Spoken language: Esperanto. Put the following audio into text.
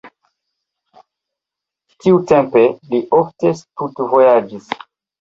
Tiutempe li ofte studvojaĝis.